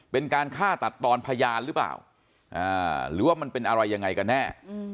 เป็นการฆ่าตัดตอนพยานหรือเปล่าหรือว่ามันเป็นอะไรยังไงกันแน่